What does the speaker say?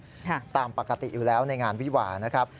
ค่ะตามปกติอยู่แล้วในงานวิวานะครับ